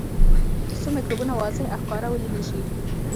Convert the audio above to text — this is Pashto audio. تر څو مکروبونه واضح او ښکاره ولیدل شي.